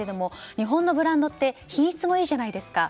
日本のブランドって品質もいいじゃないですか。